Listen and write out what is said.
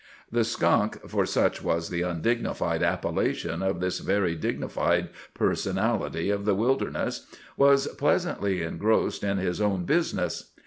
The skunk—for such was the undignified appellation of this very dignified personality of the wilderness—was pleasantly engrossed in his own business.